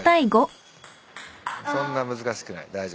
そんな難しくない。